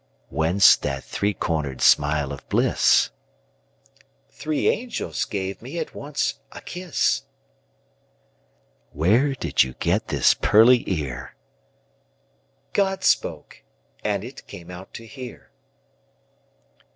Whence that three corner'd smile of bliss? Three angels gave me at once a kiss. Where did you get this pearly ear? God spoke, and it came out to hear.